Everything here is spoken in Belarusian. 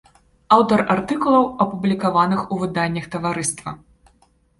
Аўтар артыкулаў, апублікаваных у выданнях таварыства.